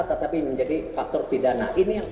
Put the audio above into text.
tetapi menjadi faktor pidana